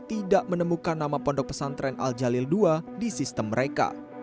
tidak menemukan nama pondok pesantren al jalil ii di sistem mereka